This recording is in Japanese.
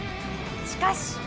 しかし。